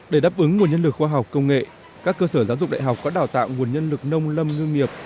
để đáp ứng nguồn nhân lực khoa học công nghệ các cơ sở giáo dục đại học có đào tạo nguồn nhân lực nông lâm ngư nghiệp